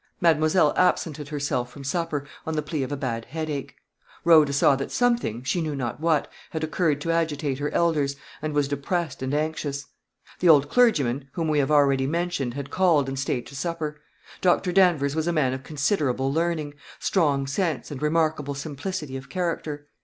Mademoiselle absented herself from supper, on the plea of a bad headache. Rhoda saw that something, she knew not what, had occurred to agitate her elders, and was depressed and anxious. The old clergyman, whom we have already mentioned, had called, and stayed to supper. Dr. Danvers was a man of considerable learning, strong sense, and remarkable simplicity of character.